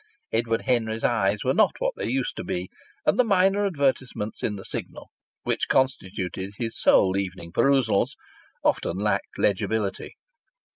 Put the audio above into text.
Edward Henry's eyes were not what they used to be; and the minor advertisements in the Signal which constituted his sole evening perusals often lacked legibility.